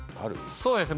そうですね